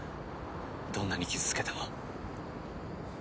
どんなに傷つけても。